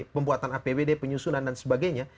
pembuatan apbd penyusunan dan sebagainya